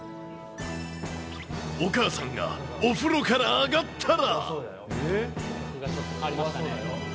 お母さんがお風呂から上がったら。